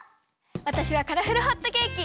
わたしはカラフルホットケーキ！